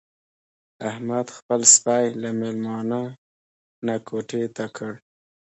احمد خپل سپی له مېلمانه نه کوتې کړ.